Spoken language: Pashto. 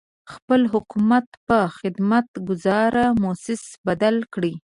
خپل حکومت په خدمت ګذاره مؤسسه بدل کړي.